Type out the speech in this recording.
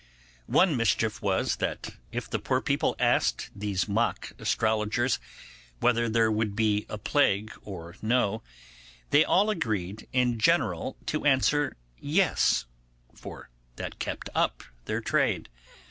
One mischief was, that if the poor people asked these mock astrologers whether there would be a plague or no, they all agreed in general to answer 'Yes', for that kept up their trade.